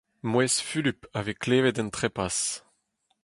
Mouezh Fulup a vez klevet en trepas.